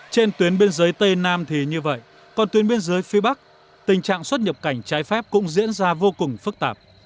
trên tuyến biên giới tây nam thì như vậy còn tuyến biên giới phía bắc tình trạng xuất nhập cảnh trái phép cũng diễn ra vô cùng phức tạp